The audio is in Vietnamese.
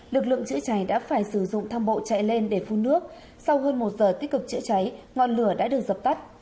lực lượng chữa cháy đã phải sử dụng thang bộ chạy lên để phun nước sau hơn một giờ tích cực chữa cháy ngọn lửa đã được dập tắt